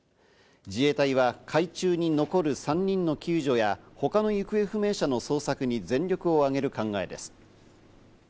自衛隊は海中に残る３人の救助や他の行方不明者の捜索に全力をあげる考えです。